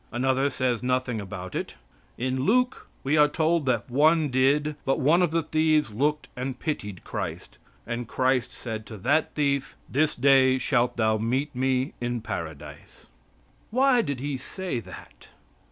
Another says nothing about it. In Luke we are told that one did, but one of the thieves looked and pitied Christ, and Christ said to that thief: "This day shalt thou meet me in Paradise." Why did He say that?